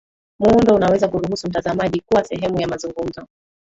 muundo unaweza kuruhusu mtazamaji kuwa sehemu ya mazungumzo